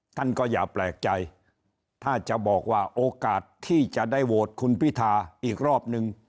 ท่านก็อย่าแปลกใจถ้าจะบอกว่าโอกาสที่จะได้โหวตคุณพิธาอีกรอบนึง